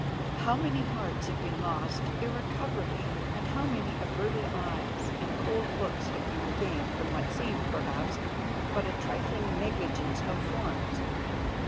How many hearts have been lost irrecoverably and how many averted eyes and cold looks have been gained from what seemed, perhaps, but a trifling negligence of forms.